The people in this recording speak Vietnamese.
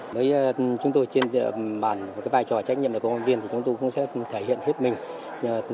với chúng tôi trên bàn với cái vai trò trách nhiệm của công an viên thì chúng tôi cũng sẽ thể hiện hết mình